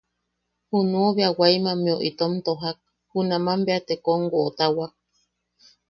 Junuʼu bea Waimammeu itom tojak, junaman bea te kom woʼotawak.